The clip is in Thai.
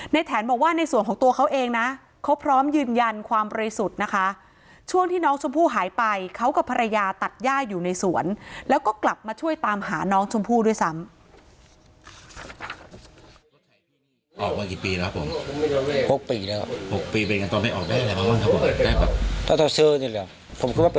แถนบอกว่าในส่วนของตัวเขาเองนะเขาพร้อมยืนยันความบริสุทธิ์นะคะช่วงที่น้องชมพู่หายไปเขากับภรรยาตัดย่าอยู่ในสวนแล้วก็กลับมาช่วยตามหาน้องชมพู่ด้วยซ้ำ